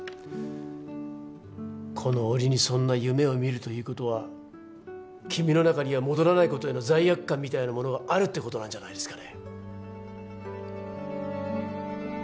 この折にそんな夢を見るということは君の中には戻らないことへの罪悪感みたいなものがあるってことなんじゃないですかね